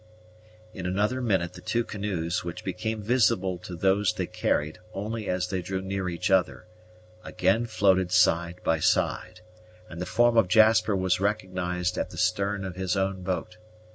In another minute the two canoes, which became visible to those they carried only as they drew near each other, again floated side by side, and the form of Jasper was recognized at the stern of his own boat.